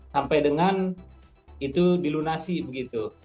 sampai dengan itu dilunasi begitu